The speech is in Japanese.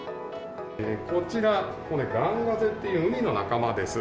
こちら、ガンガゼっていうウニの仲間です。